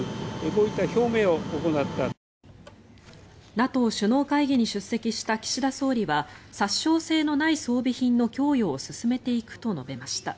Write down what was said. ＮＡＴＯ首脳会議に出席した岸田総理は殺傷性のない装備品の供与を進めていくと述べました。